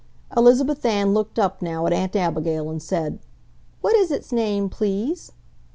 Elizabeth Ann looked up now at Aunt Abigail and said, "What is its name, please?"